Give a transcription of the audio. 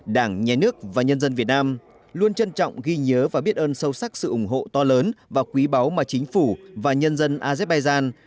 đảng nhà nước và nhân dân việt nam luôn trân trọng ghi nhớ và biết ơn sâu sắc sự ủng hộ to lớn và quý báu mà chính phủ và nhân dân azerbaijan